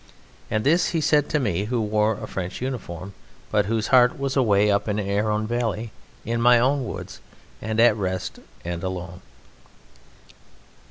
And this he said to me, who wore a French uniform, but whose heart was away up in Arun Valley, in my own woods, and at rest and alone.